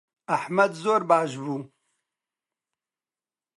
ئەحمەد زۆر باش بوو.